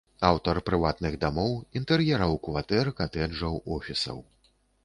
Аўтар прыватных дамоў, інтэр'ераў кватэр, катэджаў, офісаў.